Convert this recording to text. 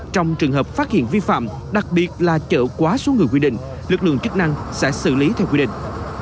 trong trường hợp phát hiện vi phạm đặc biệt là chở quá số người quy định lực lượng chức năng sẽ xử lý theo quy định